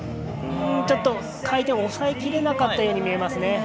ちょっと回転を抑えきれなかったように見えますね。